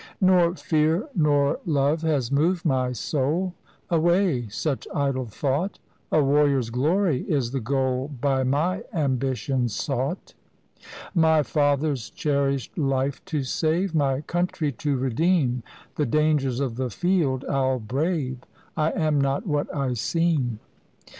"Nor fear nor love has moved my soul — Away such idle thought! A warrior's glory is the goal By my ambition sought. "My father's cherished life to save, My country to redeem, The dangers of the field I'll brave: I am not what I seem.